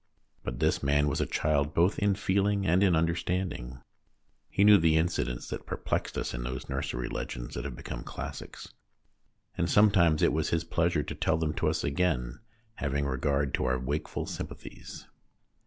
But this man was a child both in feeling and in under standing. He knew the incidents that per plexed us in those nursery legends that have become classics, and sometimes it was his pleasure to tell them to us again, having regard to our wakeful sympathies.